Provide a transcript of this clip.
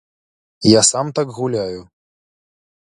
Я сам так гуляю.